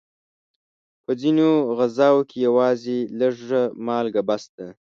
په ځینو غذاوو کې یوازې لږه مالګه بس ده.